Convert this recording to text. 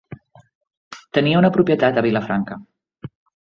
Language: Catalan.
Tenia una propietat a Vilafranca.